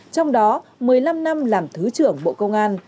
trong đó một mươi năm năm làm thứ trưởng bộ công an